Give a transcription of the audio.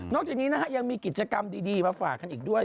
จากนี้นะฮะยังมีกิจกรรมดีมาฝากกันอีกด้วย